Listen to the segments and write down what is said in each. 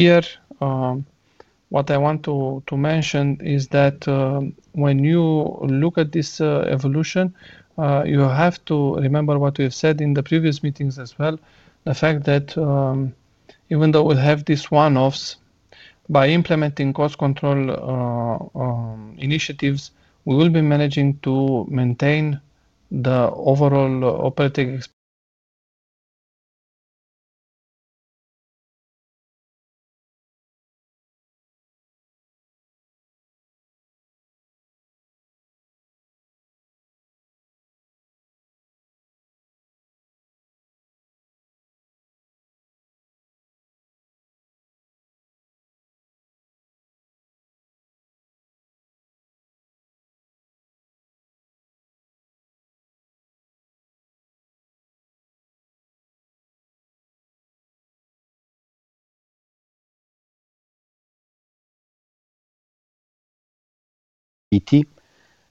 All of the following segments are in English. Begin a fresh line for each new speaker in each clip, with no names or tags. Here, what I want to mention is that, when you look at this evolution, you have to remember what we've said in the previous meetings as well. The fact that, even though we'll have these one-offs, by implementing cost control initiatives, we will be managing to maintain the overall operating.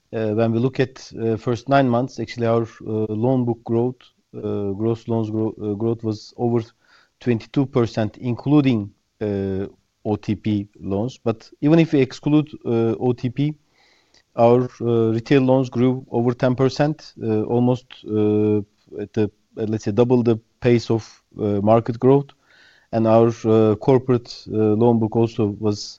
When we look at, first nine months, actually, our loan book growth, gross loans growth was over 22%, including OTP loans. Even if we exclude OTP, our retail loans grew over 10%, almost at the, let's say, double the pace of market growth. Our corporate loan book also was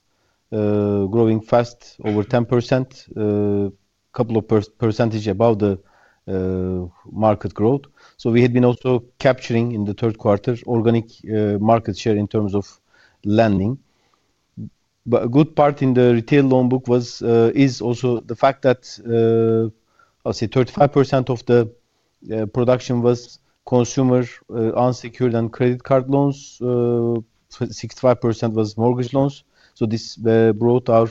growing fast, over 10%, a couple of percentage above the market growth. We had been also capturing in the third quarter organic market share in terms of lending. A good part in the retail loan book is also the fact that, I'll say 35% of the production was consumer, unsecured and credit card loans, 65% was mortgage loans. This brought our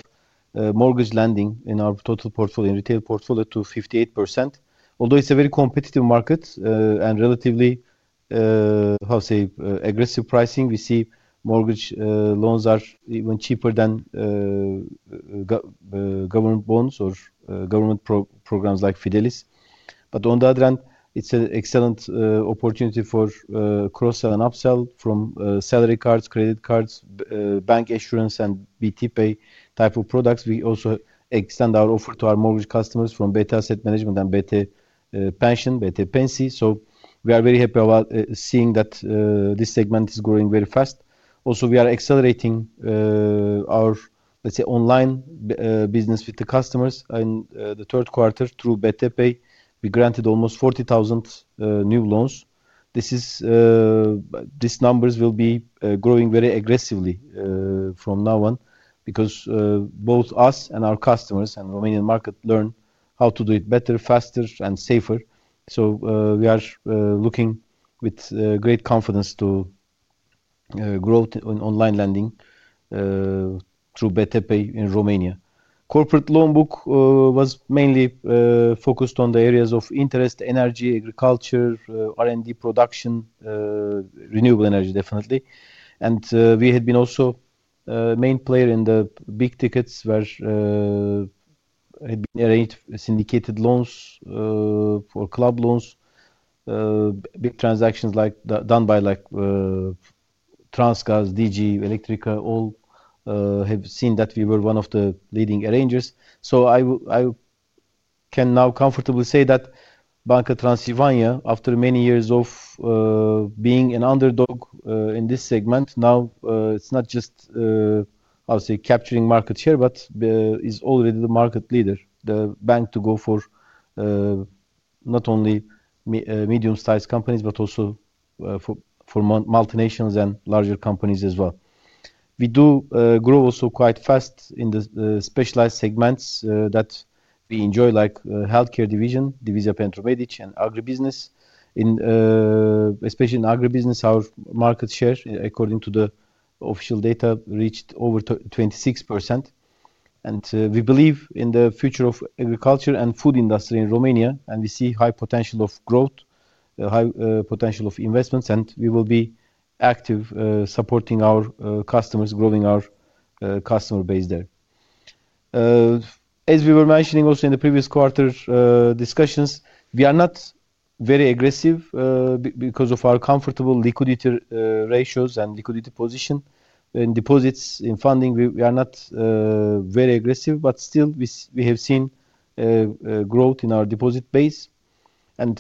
mortgage lending in our total portfolio, in retail portfolio, to 58%. Although it's a very competitive market, and relatively, how to say, aggressive pricing, we see mortgage loans are even cheaper than government bonds or government programs like Fidelis. On the other hand, it's an excellent opportunity for cross-sell and upsell from salary cards, credit cards, bancassurance, and BT Pay type of products. We also extend our offer to our mortgage customers from BT Asset Management and BT Pensii. We are very happy about seeing that this segment is growing very fast. Also, we are accelerating our, let's say, online business with the customers. In the third quarter, through BT Pay, we granted almost 40,000 new loans. These numbers will be growing very aggressively from now on because both us and our customers and the Romanian market learn how to do it better, faster, and safer. We are looking with great confidence to grow in online lending through BT Pay in Romania. The corporate loan book was mainly focused on the areas of interest, energy, agriculture, R&D production, renewable energy, definitely. We had been also a main player in the big tickets where we had arranged syndicated loans for club loans, big transactions like those done by, like, Transgaz, DG, Electrica. All have seen that we were one of the leading arrangers. I can now comfortably say that Banca Transilvania, after many years of being an underdog in this segment, now, it is not just, I will say, capturing market share, but is already the market leader, the bank to go for, not only medium-sized companies, but also for multinationals and larger companies as well. We do grow also quite fast in the specialized segments that we enjoy, like healthcare division, Divizia Pentru Medici, and agribusiness. In, especially in agribusiness, our market share, according to the official data, reached over 26%. We believe in the future of agriculture and food industry in Romania, and we see high potential of growth, high potential of investments, and we will be active, supporting our customers, growing our customer base there. As we were mentioning also in the previous quarter discussions, we are not very aggressive because of our comfortable liquidity ratios and liquidity position in deposits, in funding. We are not very aggressive, but still, we have seen growth in our deposit base.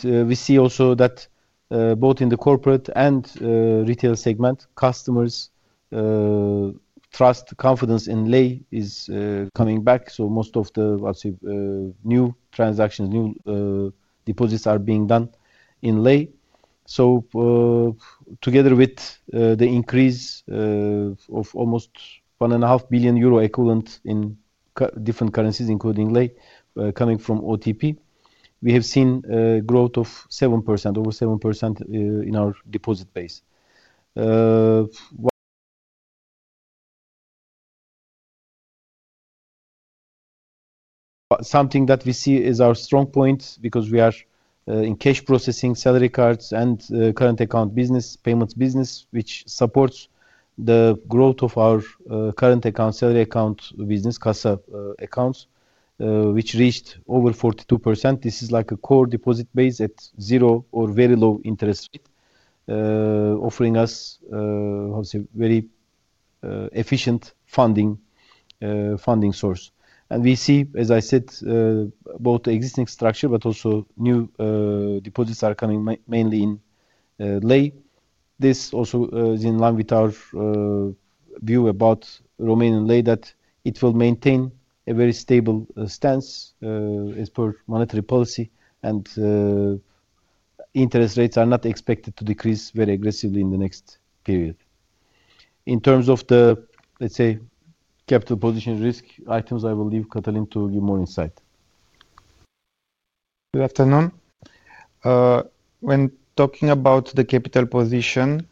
We see also that, both in the corporate and retail segment, customers' trust, confidence in Leu is coming back. Most of the, I'll say, new transactions, new deposits are being done in RON. Together with the increase of almost 1.5 billion euro equivalent in different currencies, including RON, coming from OTP, we have seen growth of 7%, over 7%, in our deposit base. What we see is our strong point because we are in cash processing, salary cards, and current account business, payments business, which supports the growth of our current account, salary account business, CASA accounts, which reached over 42%. This is like a core deposit base at zero or very low interest rate, offering us, how to say, very efficient funding, funding source. We see, as I said, both existing structure, but also new deposits are coming mainly in RON. This also is in line with our view about Romanian Leu that it will maintain a very stable stance, as per monetary policy, and interest rates are not expected to decrease very aggressively in the next period. In terms of the, let's say, capital position risk items, I will leave Cătălin to give more insight.
Good afternoon. When talking about the capital position,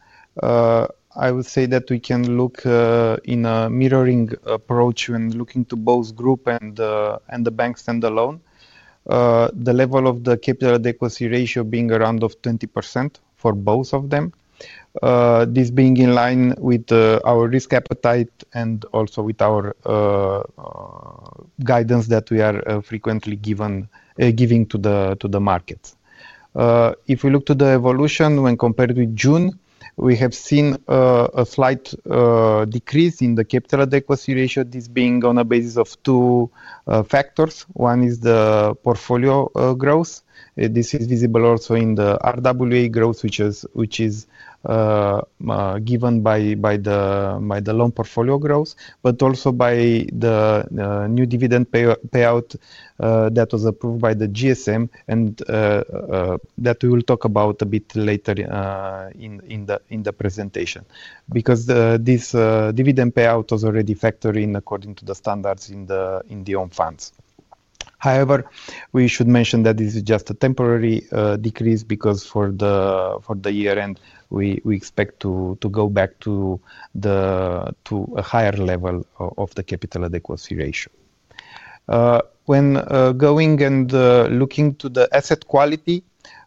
I would say that we can look, in a mirroring approach when looking to both group and, and the bank standalone, the level of the capital adequacy ratio being around 20% for both of them. This being in line with our risk appetite and also with our guidance that we are frequently giving to the markets. If we look to the evolution when compared with June, we have seen a slight decrease in the capital adequacy ratio, this being on a basis of two factors. One is the portfolio growth. This is visible also in the RWA growth, which is given by the loan portfolio growth, but also by the new dividend payout that was approved by the GSM and that we will talk about a bit later in the presentation because this dividend payout was already factored in according to the standards in the own funds. However, we should mention that this is just a temporary decrease because for the year-end, we expect to go back to a higher level of the capital adequacy ratio. When going and looking to the asset quality,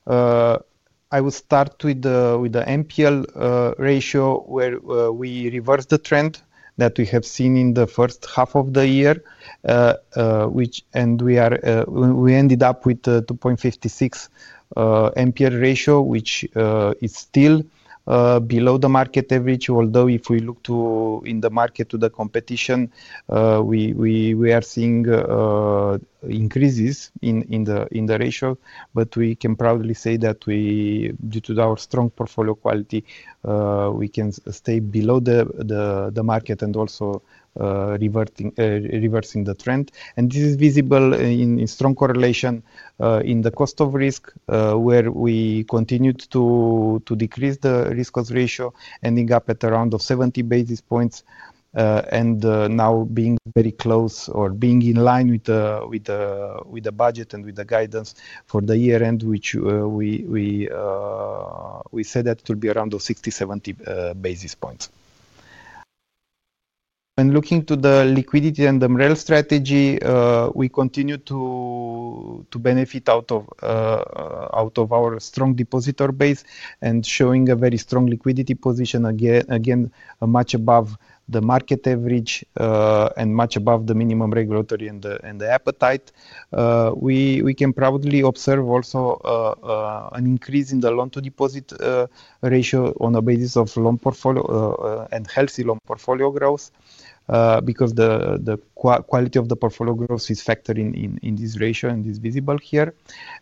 I will start with the NPL ratio where we reversed the trend that we have seen in the first half of the year, and we ended up with a 2.56% NPL ratio, which is still below the market average. Although if we look in the market to the competition, we are seeing increases in the ratio, but we can proudly say that due to our strong portfolio quality, we can stay below the market and also, reversing the trend. This is visible in strong correlation in the cost of risk, where we continued to decrease the risk cost ratio, ending up at around 70 basis points, and now being very close or being in line with the budget and with the guidance for the year-end, which we said that it will be around 60-70 basis points. When looking to the liquidity and the MREL strategy, we continue to benefit out of our strong depositor base and showing a very strong liquidity position again, much above the market average, and much above the minimum regulatory and the appetite. We can proudly observe also an increase in the loan-to-deposit ratio on a basis of loan portfolio and healthy loan portfolio growth, because the quality of the portfolio growth is factored in in this ratio and is visible here.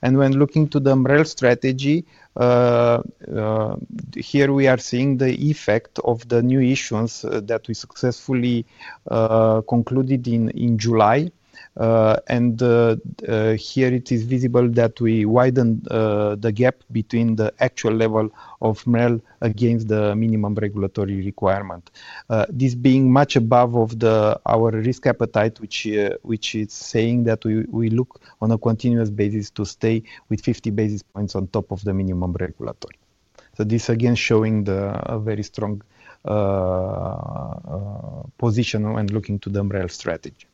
When looking to the MREL strategy, here we are seeing the effect of the new issuance that we successfully concluded in July. Here it is visible that we widened the gap between the actual level of MREL against the minimum regulatory requirement, this being much above our risk appetite, which is saying that we look on a continuous basis to stay with 50 basis points on top of the minimum regulatory. This again showing the very strong position when looking to the MREL strategy.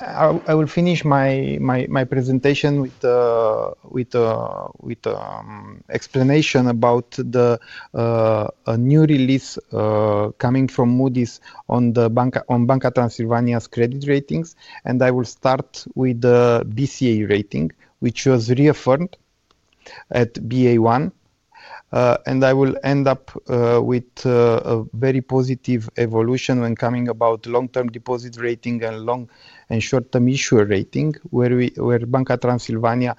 I will finish my presentation with explanation about a new release coming from Moody's on Banca Transilvania's credit ratings. I will start with the BCA rating, which was reaffirmed at BA1. I will end up with a very positive evolution when coming about long-term deposit rating and long and short-term issuer rating, where Banca Transilvania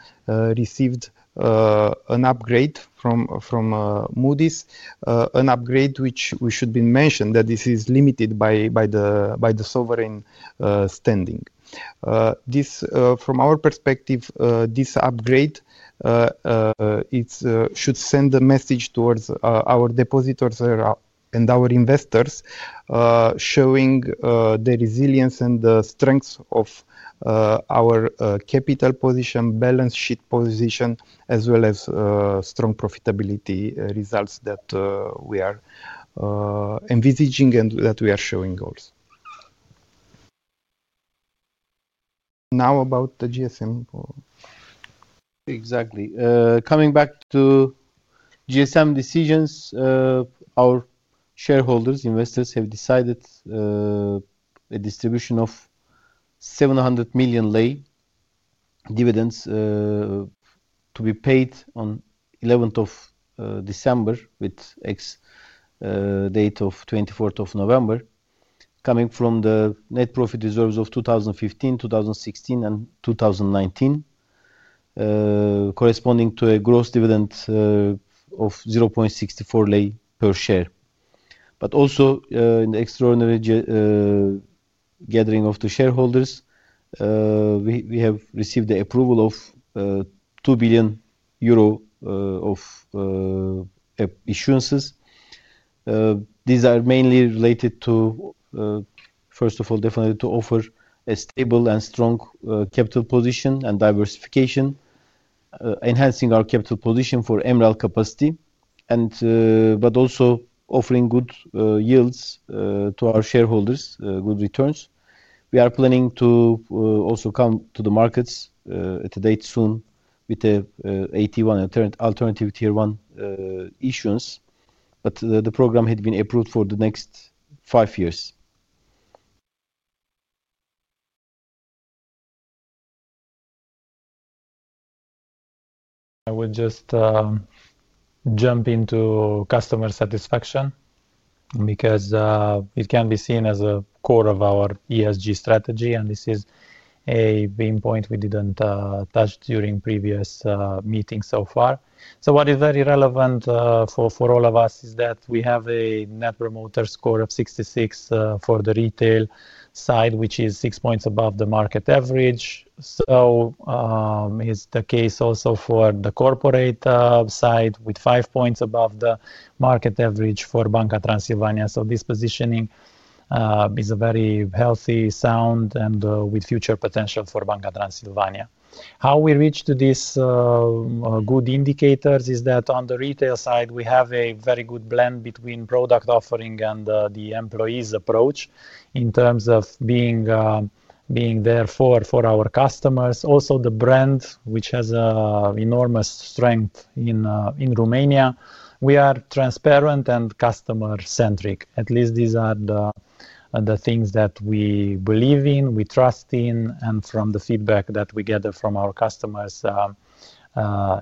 received an upgrade from Moody's, an upgrade which we should mention that this is limited by the sovereign standing. From our perspective, this upgrade should send a message towards our depositors and our investors, showing the resilience and the strength of our capital position, balance sheet position, as well as strong profitability results that we are envisaging and that we are showing also. Now about the GSM. Exactly. Coming back to GSM decisions, our shareholders, investors have decided, a distribution of RON 700 million dividends, to be paid on 11th of December with ex-date of 24th of November, coming from the net profit reserves of 2015, 2016, and 2019, corresponding to a gross dividend of RON 0.64 per share. Also, in the extraordinary gathering of the shareholders, we have received the approval of 2 billion euro of issuances. These are mainly related to, first of all, definitely to offer a stable and strong capital position and diversification, enhancing our capital position for MREL capacity and also offering good yields to our shareholders, good returns. We are planning to also come to the markets at a date soon with an AT1 alternative tier one issuance, but the program had been approved for the next five years. I will just jump into customer satisfaction because it can be seen as a core of our ESG strategy, and this is a main point we did not touch during previous meetings so far. What is very relevant for all of us is that we have a net promoter score of 66 for the retail side, which is 6 points above the market average. This is the case also for the corporate side with 5 points above the market average for Banca Transilvania. This positioning is very healthy, sound, and with future potential for Banca Transilvania. How we reached these good indicators is that on the retail side, we have a very good blend between product offering and the employees' approach in terms of being there for our customers. Also, the brand, which has enormous strength in Romania, we are transparent and customer-centric. At least these are the things that we believe in, we trust in, and from the feedback that we gather from our customers,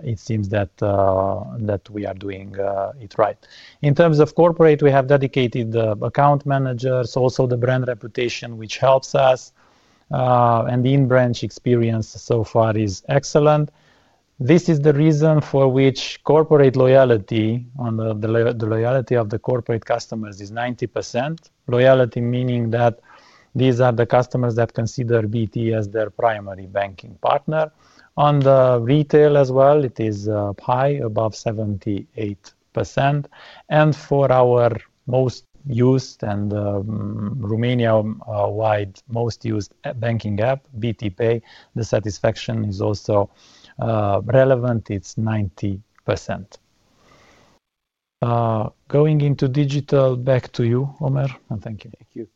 it seems that we are doing it right. In terms of corporate, we have dedicated account managers, also the brand reputation, which helps us, and the in-branch experience so far is excellent. This is the reason for which corporate loyalty, the loyalty of the corporate customers, is 90%, loyalty meaning that these are the customers that consider BT as their primary banking partner. On the retail as well, it is high, above 78%. For our most used and, Romania-wide, most used banking app, BT Pay, the satisfaction is also relevant. It's 90%. Going into digital, back to you, Omer, and thank you.
Thank you.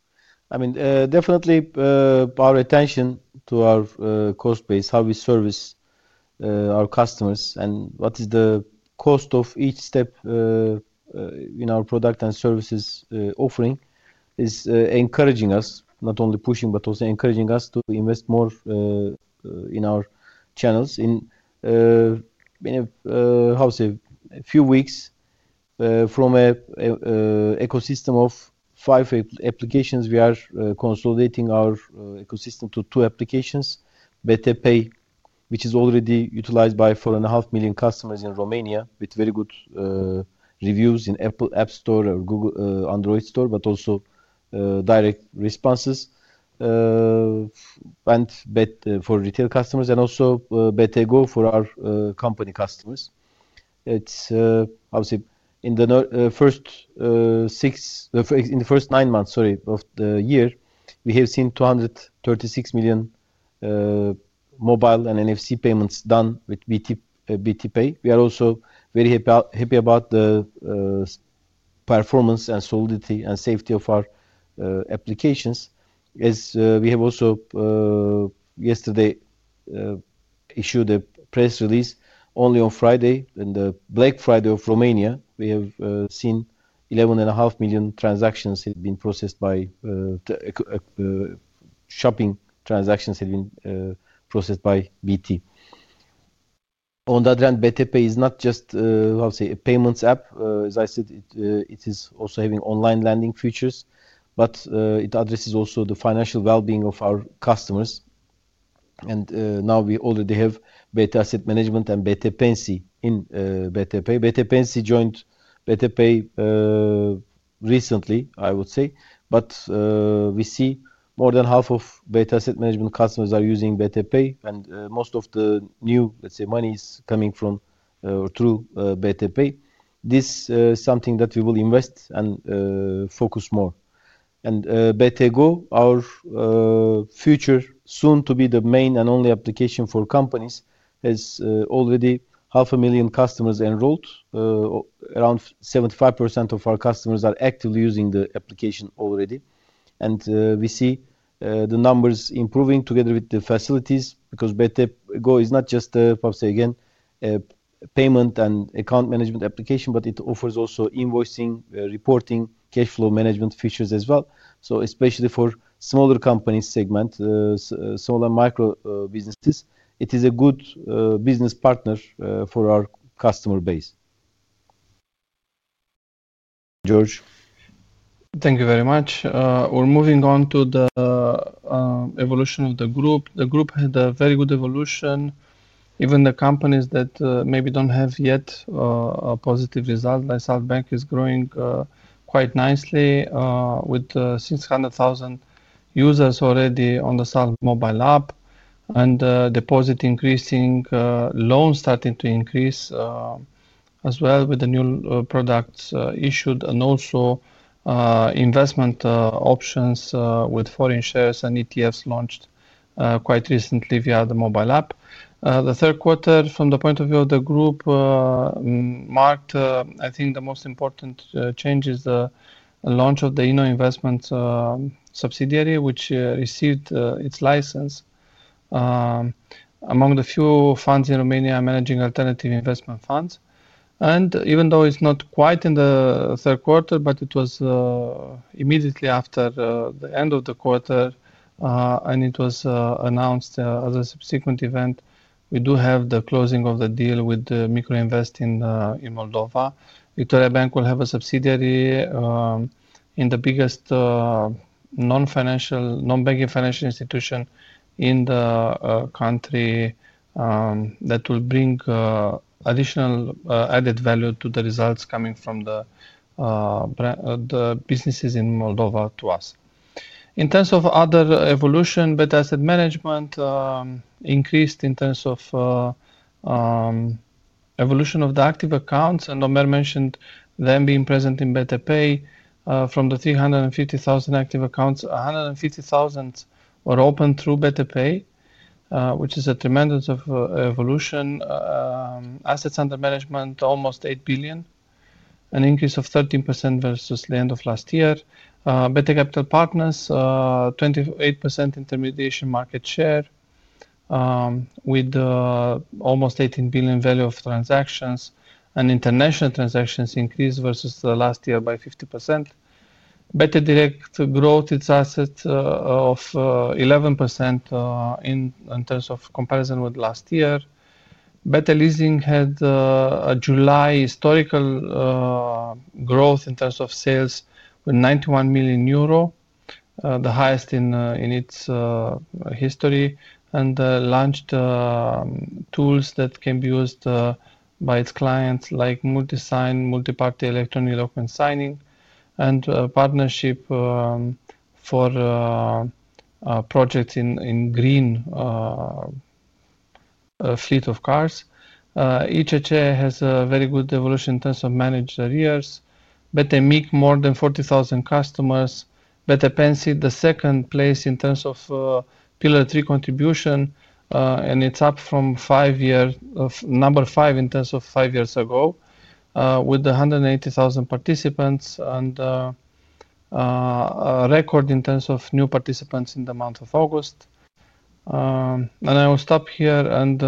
I mean, definitely, our attention to our cost base, how we service our customers and what is the cost of each step in our product and services offering is encouraging us, not only pushing, but also encouraging us to invest more in our channels in, in a, how to say, a few weeks, from a ecosystem of five applications. We are consolidating our ecosystem to two applications, BT Pay, which is already utilized by 4.5 million customers in Romania with very good reviews in Apple App Store or Google Android Store, but also direct responses, and BT for retail customers and also BT Go for our company customers. It's, how to say, in the first six, in the first nine months, sorry, of the year, we have seen 236 million mobile and NFC payments done with BT, BT Pay. We are also very happy about the performance and solidity and safety of our applications as we have also yesterday issued a press release only on Friday in the Black Friday of Romania. We have seen 11.5 million transactions had been processed by shopping transactions had been processed by BT. On that end, BT Pay is not just, how to say, a payments app. As I said, it is also having online lending features, but it addresses also the financial well-being of our customers. Now we already have BT Asset Management and BT Pensii in BT Pay. BT Pensii joined BT Pay recently, I would say, but we see more than half of BT Asset Management customers are using BT Pay and most of the new, let's say, money is coming from, through, BT Pay. This is something that we will invest and focus more. BT Go, our future soon to be the main and only application for companies, has already 500,000 customers enrolled. Around 75% of our customers are actively using the application already. We see the numbers improving together with the facilities because BT Go is not just, how to say, again, a payment and account management application, but it offers also invoicing, reporting, cash flow management features as well. Especially for the smaller companies segment, smaller micro businesses, it is a good business partner for our customer base. George.
Thank you very much. We're moving on to the evolution of the group. The group had a very good evolution. Even the companies that maybe do not have yet a positive result, like Victoria Bank, is growing quite nicely, with 600,000 users already on the Victoria mobile app and deposits increasing, loans starting to increase as well with the new products issued and also investment options, with foreign shares and ETFs launched quite recently via the mobile app. The third quarter from the point of view of the group marked, I think, the most important change is the launch of the Inno Investments subsidiary, which received its license, among the few funds in Romania managing alternative investment funds. Even though it's not quite in the third quarter, but it was immediately after the end of the quarter, and it was announced as a subsequent event, we do have the closing of the deal with Microinvest in Moldova. Victoria Bank will have a subsidiary in the biggest non-banking financial institution in the country that will bring additional added value to the results coming from the businesses in Moldova to us. In terms of other evolution, BT Asset Management increased in terms of evolution of the active accounts. Ömer mentioned them being present in BT Pay. From the 350,000 active accounts, 150,000 were opened through BT Pay, which is a tremendous evolution. Assets under management, almost RON 8 billion, an increase of 13% versus the end of last year. BT Capital Partners, 28% intermediation market share, with almost RON 18 billion value of transactions and international transactions increased versus last year by 50%. BT Direct growth, its asset, of 11% in terms of comparison with last year. BT Leasing had a July historical growth in terms of sales with 91 million euro, the highest in its history. Launched tools that can be used by its clients like multi-sign, multi-party electronic document signing and partnership for projects in green fleet of cars. ECC has a very good evolution in terms of managed arrears. BT MIC, more than 40,000 customers. BT Pensii, the second place in terms of Pillar 3 contribution, and it's up from five years ago of number five, with 180,000 participants and record in terms of new participants in the month of August and I will stop here and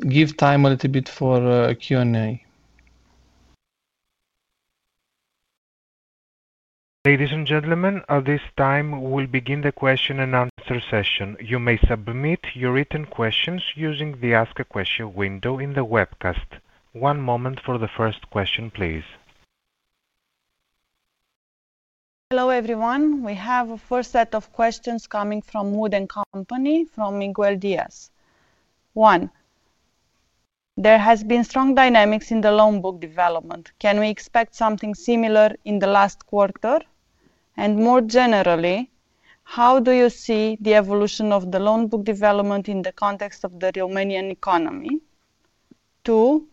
give time a little bit for a Q&A.
Ladies and gentlemen, at this time we'll begin the question and answer session. You may submit your written questions using the ask a question window in the webcast. One moment for the first question, please. Hello everyone. We have a first set of questions coming from Wood & Company from Miguel Diaz. One, there has been strong dynamics in the loan book development. Can we expect something similar in the last quarter? More generally, how do you see the evolution of the loan book development in the context of the Romanian economy? Two,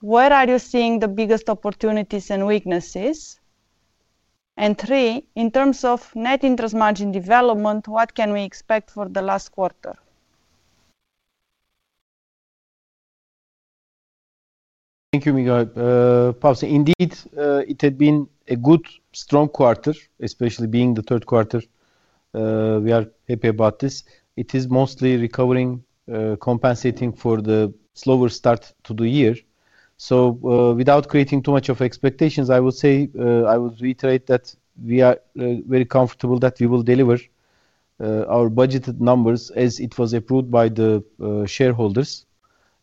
where are you seeing the biggest opportunities and weaknesses? Three, in terms of net interest margin development, what can we expect for the last quarter?
Thank you, Miguel. How to say, indeed, it had been a good, strong quarter, especially being the third quarter. We are happy about this. It is mostly recovering, compensating for the slower start to the year. Without creating too much of expectations, I will say, I will reiterate that we are very comfortable that we will deliver our budgeted numbers as it was approved by the shareholders.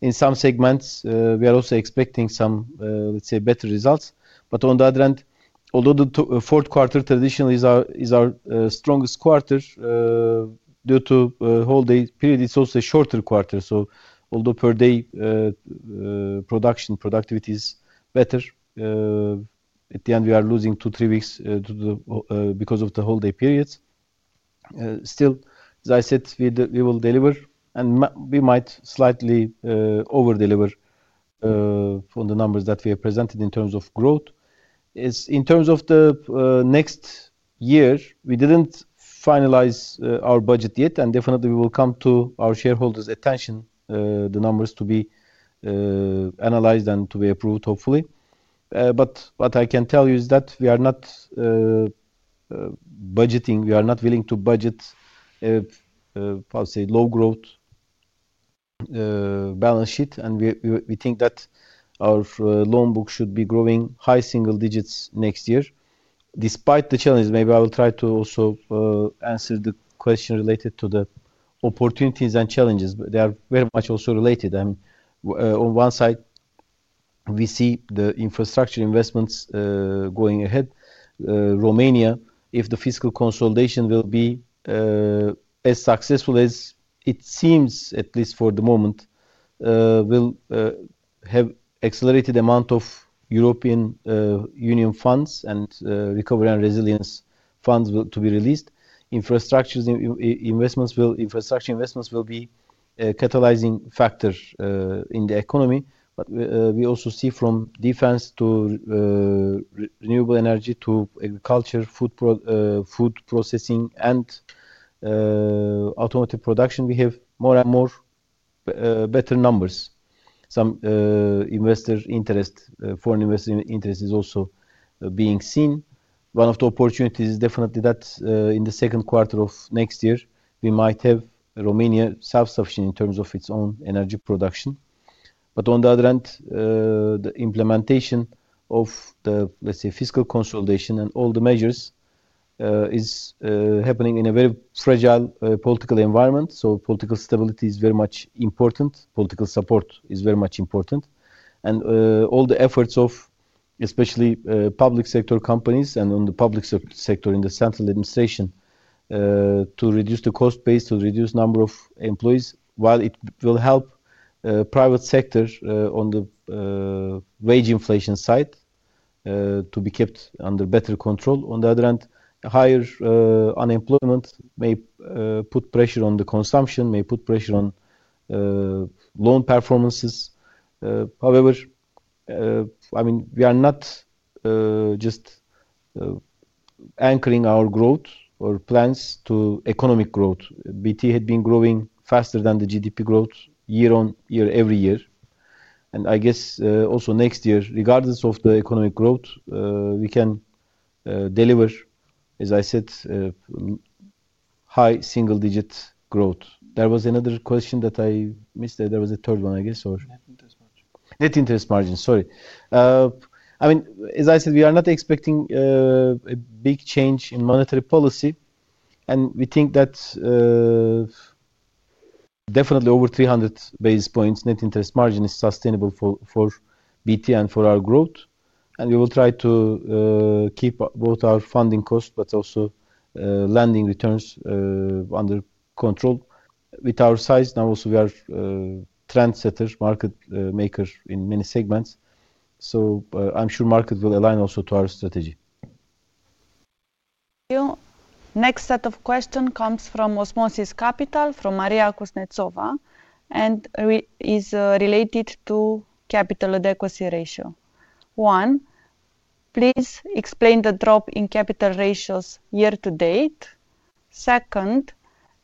In some segments, we are also expecting some, let's say, better results. On the other end, although the fourth quarter traditionally is our strongest quarter, due to holiday period, it's also a shorter quarter. Although per day, production, productivity is better, at the end we are losing two-three weeks to the, because of the holiday periods. Still, as I said, we will deliver and we might slightly overdeliver from the numbers that we have presented in terms of growth. As in terms of the next year, we did not finalize our budget yet, and definitely we will come to our shareholders' attention, the numbers to be analyzed and to be approved, hopefully. What I can tell you is that we are not budgeting. We are not willing to budget, how to say, low growth, balance sheet. We think that our loan book should be growing high single digits next year. Despite the challenges, maybe I will try to also answer the question related to the opportunities and challenges. They are very much also related. On one side, we see the infrastructure investments going ahead. Romania, if the fiscal consolidation will be as successful as it seems, at least for the moment, will have accelerated the amount of European Union funds and recovery and resilience funds will be released. Infrastructure investments will be a catalyzing factor in the economy. We also see from defense to renewable energy to agriculture, food processing, and automotive production, we have more and more better numbers. Some investor interest, foreign investor interest, is also being seen. One of the opportunities is definitely that in the second quarter of next year, we might have Romania self-sufficient in terms of its own energy production. On the other end, the implementation of the, let's say, fiscal consolidation and all the measures is happening in a very fragile political environment. Political stability is very much important. Political support is very much important. All the efforts of especially public sector companies and on the public sector in the central administration to reduce the cost base, to reduce the number of employees, while it will help private sector on the wage inflation side to be kept under better control. On the other end, higher unemployment may put pressure on the consumption, may put pressure on loan performances. However, I mean, we are not just anchoring our growth or plans to economic growth. BT had been growing faster than the GDP growth year on year, every year. I guess, also next year, regardless of the economic growth, we can deliver, as I said, high single digit growth. There was another question that I missed. There was a third one, I guess, or net interest margin. Net interest margin, sorry. I mean, as I said, we are not expecting a big change in monetary policy. We think that definitely over 300 basis points net interest margin is sustainable for BT and for our growth. We will try to keep both our funding costs, but also lending returns, under control with our size. Now, also, we are trendsetters, market makers in many segments. I am sure market will align also to our strategy.
Next set of questions comes from Osmosis Capital from Maria Kuznetsova and is related to capital adequacy ratio. One, please explain the drop in capital ratios year to date. Second,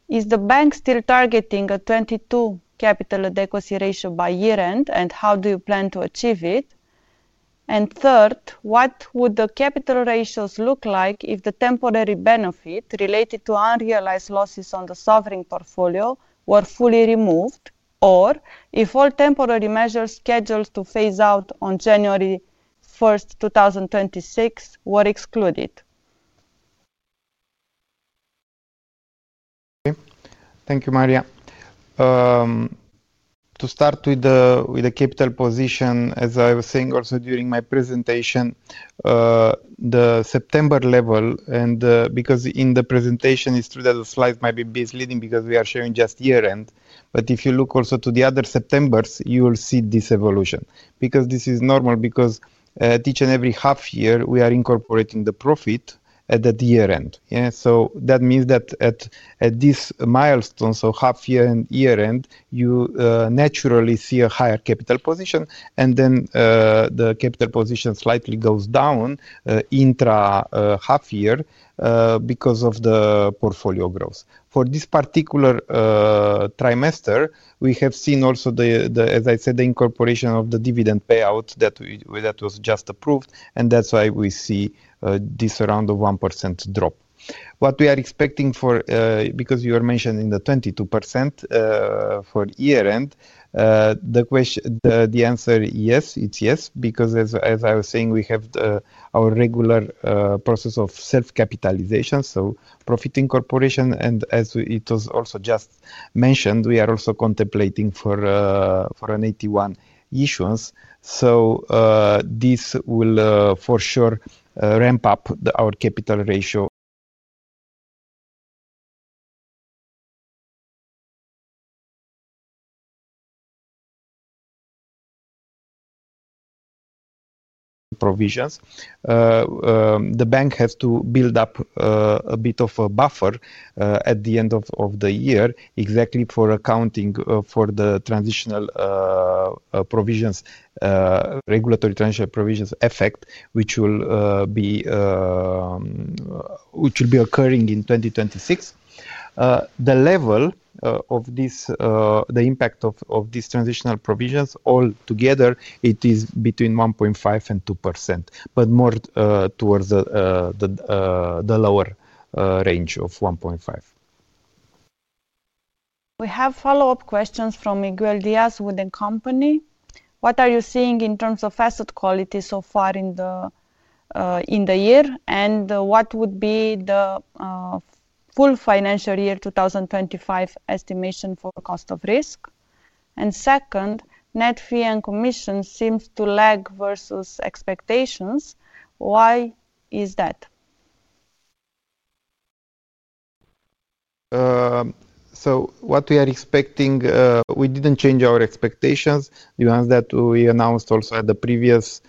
is the bank still targeting a 22% capital adequacy ratio by year end, and how do you plan to achieve it? Third, what would the capital ratios look like if the temporary benefit related to unrealized losses on the sovereign portfolio were fully removed, or if all temporary measures scheduled to phase out on 1st January, 2026, were excluded?
Thank you, Maria. To start with the capital position, as I was saying also during my presentation, the September level and, because in the presentation it is true that the slide might be misleading because we are showing just year end. If you look also to the other Septembers, you will see this evolution because this is normal because each and every half year we are incorporating the profit at the year end. Yeah. That means that at this milestone, so half year and year end, you naturally see a higher capital position and then the capital position slightly goes down intra half year because of the portfolio growth. For this particular trimester, we have seen also the, as I said, the incorporation of the dividend payout that was just approved. That is why we see this around the 1% drop. What we are expecting for, because you were mentioning the 22% for year end, the answer is yes, because as I was saying, we have our regular process of self-capitalization, so profit incorporation. As it was also just mentioned, we are also contemplating for an AT1 issuance. This will for sure ramp up our capital ratio provisions. The bank has to build up a bit of a buffer at the end of the year, exactly for accounting for the transitional provisions, regulatory transfer provisions effect, which will be occurring in 2026. The level of this, the impact of these transitional provisions all together, it is between 1.5%-2, but more towards the lower range of 1.5%.
We have follow-up questions from Miguel Diaz with the company. What are you seeing in terms of asset quality so far in the, in the year? What would be the full financial year 2025 estimation for cost of risk? Second, net fee and commission seems to lag versus expectations. Why is that?
What we are expecting, we didn't change our expectations. You asked that we announced also at the previous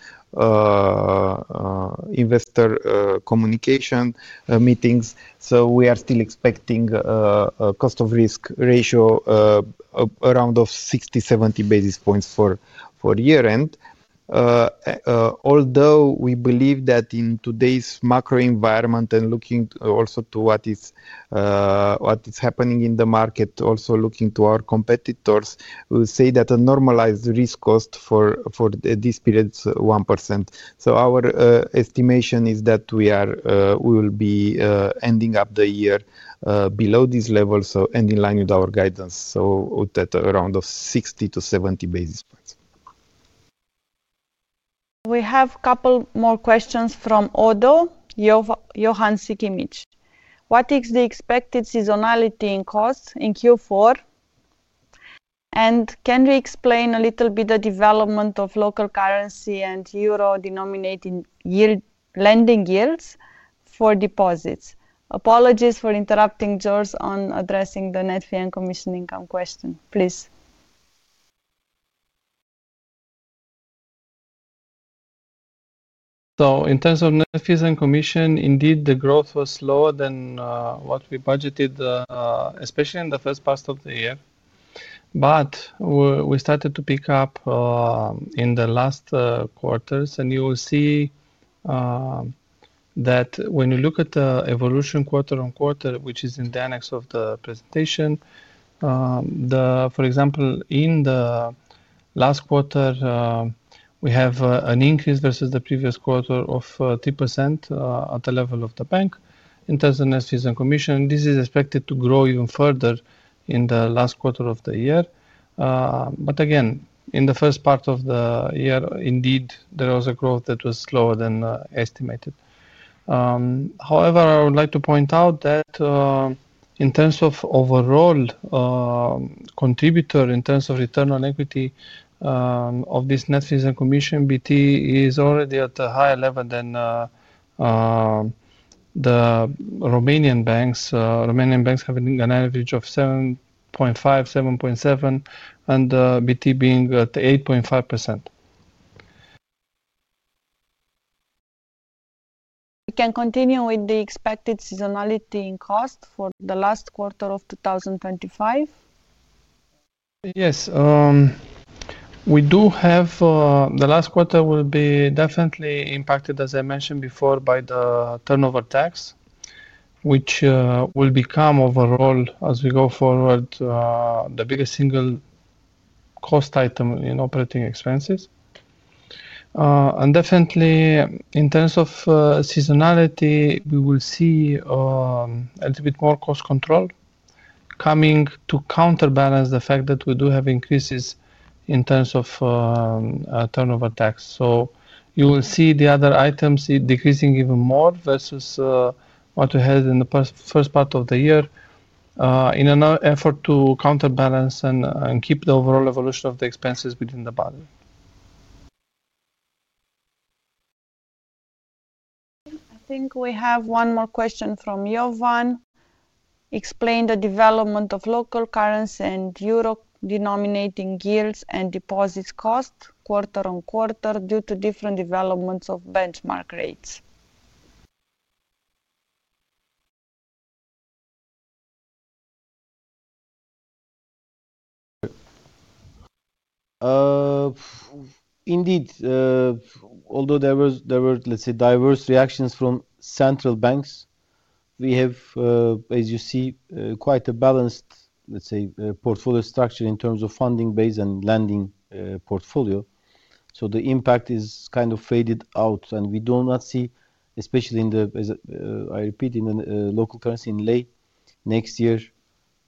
investor communication meetings. We are still expecting a cost of risk ratio around 60-70 basis points for year end. Although we believe that in today's macro environment and looking also to what is happening in the market, also looking to our competitors, we will say that a normalized risk cost for this period is 1%. Our estimation is that we will be ending up the year below this level, ending in line with our guidance, so that around 60-70 basis points.
We have a couple more questions from ODDO, Johan Sikić. What is the expected seasonality in cost in Q4? Can we explain a little bit the development of local currency and euro denominated yield lending yields for deposits? Apologies for interrupting George on addressing the net fee and commission income question, please.
In terms of net fees and commission, indeed the growth was slower than what we budgeted, especially in the first part of the year. We started to pick up in the last quarters. You will see that when you look at the evolution quarter on quarter, which is in the annex of the presentation. For example, in the last quarter, we have an increase versus the previous quarter of 3% at the level of the bank in terms of net fees and commission. This is expected to grow even further in the last quarter of the year. Again, in the first part of the year, indeed there was a growth that was slower than estimated. However, I would like to point out that, in terms of overall contributor in terms of return on equity, of this net fees and commission, BT is already at a higher level than the Romanian banks. Romanian banks having an average of 7.5%-7.7, and BT being at 8.5%.
We can continue with the expected seasonality in cost for the last quarter of 2025.
Yes. We do have, the last quarter will be definitely impacted, as I mentioned before, by the turnover tax, which will become overall, as we go forward, the biggest single cost item in operating expenses. Definitely in terms of seasonality, we will see a little bit more cost control coming to counterbalance the fact that we do have increases in terms of turnover tax. You will see the other items decreasing even more versus what we had in the first part of the year, in an effort to counterbalance and keep the overall evolution of the expenses within the budget.
I think we have one more question from Johan. Explain the development of local currency and euro denominating yields and deposits cost quarter on quarter due to different developments of benchmark rates.
Indeed, although there were, let's say, diverse reactions from central banks, we have, as you see, quite a balanced, let's say, portfolio structure in terms of funding base and lending portfolio. The impact is kind of faded out. We do not see, especially in the, I repeat, in the local currency in late next year,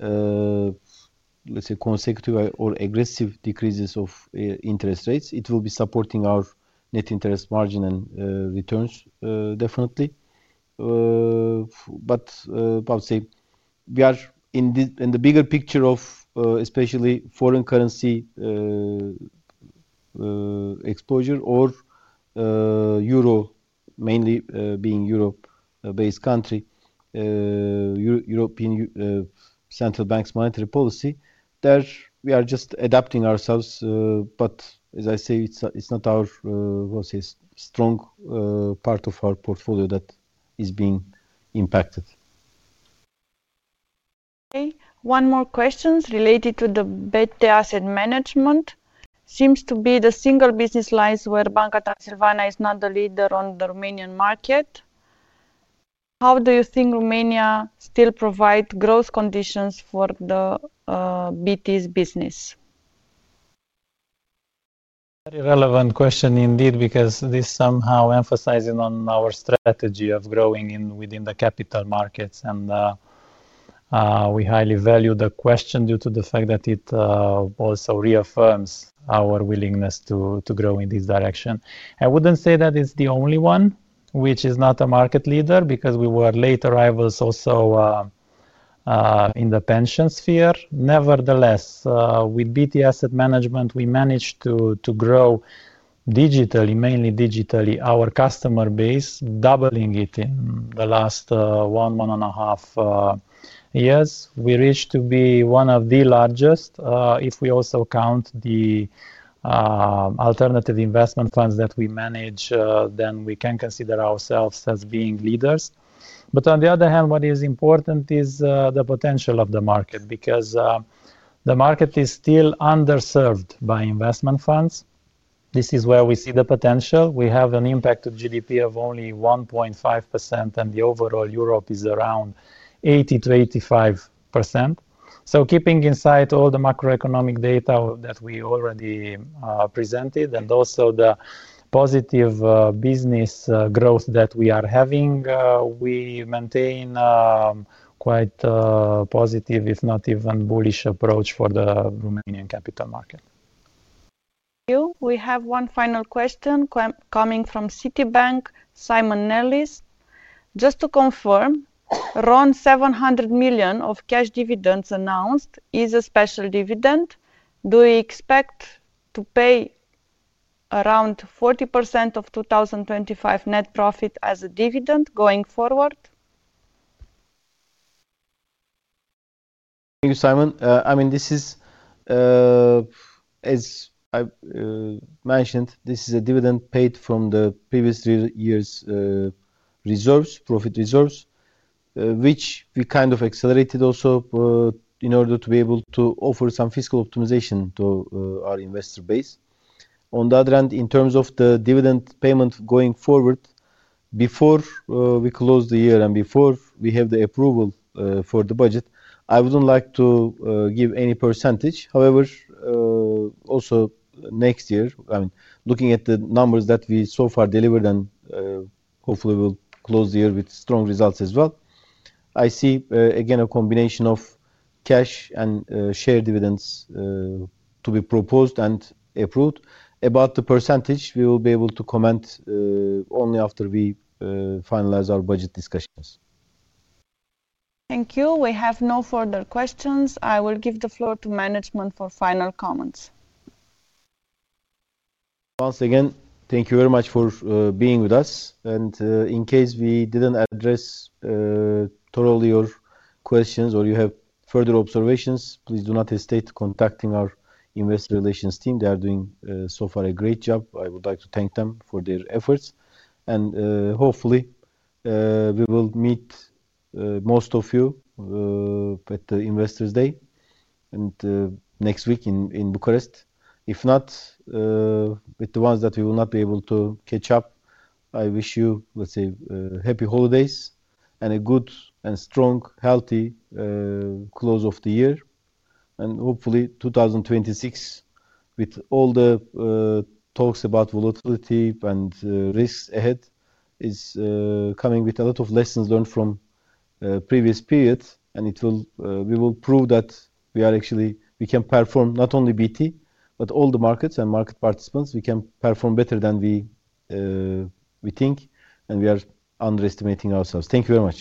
let's say, consecutive or aggressive decreases of interest rates. It will be supporting our net interest margin and returns, definitely. I would say we are in the bigger picture of especially foreign currency exposure or Euro mainly, being Europe-based country, European central banks monetary policy, there we are just adapting ourselves. As I say, it's not our, what's his strong, part of our portfolio that is being impacted.
Okay. One more question related to the BT Asset Management. Seems to be the single business line where Banca Transilvania is not the leader on the Romanian market. How do you think Romania still provides growth conditions for the BT's business?
Very relevant question indeed, because this somehow emphasizes our strategy of growing within the capital markets. We highly value the question due to the fact that it also reaffirms our willingness to grow in this direction. I would not say that it is the only one which is not a market leader because we were late arrivals also in the pension sphere. Nevertheless, with BT Asset Management, we managed to grow digitally, mainly digitally, our customer base, doubling it in the last one-one and a half years. We reached to be one of the largest. If we also count the alternative investment funds that we manage, then we can consider ourselves as being leaders. On the other hand, what is important is the potential of the market because the market is still underserved by investment funds. This is where we see the potential. We have an impact of GDP of only 1.5% and the overall Europe is around 80-85%. Keeping in sight all the macroeconomic data that we already presented and also the positive business growth that we are having, we maintain quite a positive, if not even bullish, approach for the Romanian capital market.
You, we have one final question coming from Citibank, Simon Nellis. Just to confirm, around RON 700 million of cash dividends announced is a special dividend. Do we expect to pay around 40% of 2025 net profit as a dividend going forward?
Thank you, Simon. I mean, this is, as I mentioned, this is a dividend paid from the previous year's reserves, profit reserves, which we kind of accelerated also, in order to be able to offer some fiscal optimization to our investor base. On the other hand, in terms of the dividend payment going forward, before we close the year and before we have the approval for the budget, I would not like to give any percentage. However, also next year, I mean, looking at the numbers that we so far delivered and, hopefully we will close the year with strong results as well. I see, again, a combination of cash and share dividends, to be proposed and approved. About the percentage, we will be able to comment only after we finalize our budget discussions.
Thank you. We have no further questions. I will give the floor to management for final comments.
Once again, thank you very much for being with us. In case we did not address totally your questions or you have further observations, please do not hesitate to contact our investor relations team. They are doing so far a great job. I would like to thank them for their efforts. Hopefully, we will meet most of you at the Investors Day next week in Bucharest. If not, with the ones that we will not be able to catch up, I wish you, let's say, happy holidays and a good and strong, healthy close of the year. Hopefully 2026, with all the talks about volatility and risks ahead, is coming with a lot of lessons learned from previous periods. We will prove that we are actually, we can perform not only BT, but all the markets and market participants. We can perform better than we think. And we are underestimating ourselves. Thank you very much.